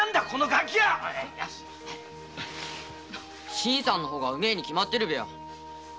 このガキは新さんの方がうめえに決まってるべよ。